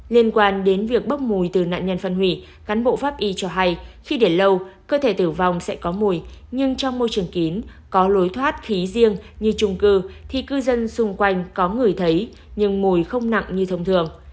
liên quan đến việc bốc mùi từ nạn nhân phân hủy cán bộ pháp y cho hay khi đến lâu cơ thể tử vong sẽ có mùi nhưng trong môi trường kín có lối thoát khí riêng như trung cư thì cư dân xung quanh có ngửi thấy nhưng mùi không nặng như thông thường